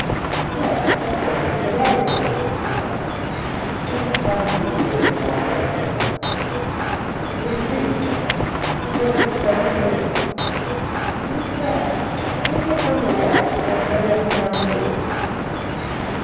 "Yes, that's someone from the railway station," he thought, "just the time to be here from the Moscow train ... Who could it be? What if it's brother Nikolay? He did say: 'Maybe I'll go to the waters, or maybe I'll come down to you.